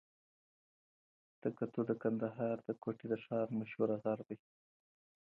تکتو د کندهار د کوټي د ښار مشهوره غر دئ.